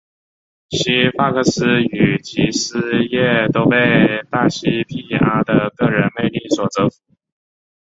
西法克斯与吉斯戈都被大西庇阿的个人魅力所折服。